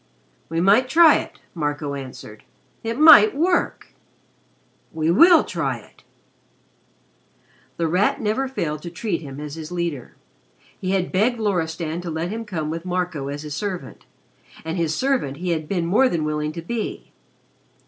"We might try it," Marco answered. "It might work. We will try it." The Rat never failed to treat him as his leader. He had begged Loristan to let him come with Marco as his servant, and his servant he had been more than willing to be.